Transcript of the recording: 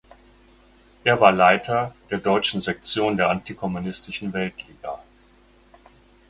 Er war Leiter der deutschen Sektion der Antikommunistischen Weltliga.